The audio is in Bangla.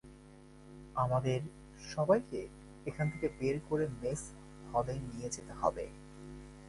আমাদের, সবাইকে, এখান থেকে বের করে মেস হলে নিয়ে যেতে হবে।